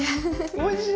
おいしい！